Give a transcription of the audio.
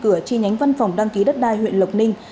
của chi nhánh văn phòng đăng ký đất đai huyện lộc ninh